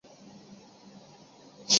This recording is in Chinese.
歌曲发行后获得了主流乐评的好评。